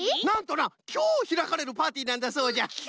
なんとなきょうひらかれるパーティーなんだそうじゃ。